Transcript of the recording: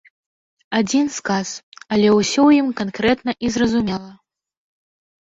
Адзін сказ, але ўсё ў ім канкрэтна і зразумела.